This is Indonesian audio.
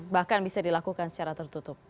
bahkan bisa dilakukan secara tertutup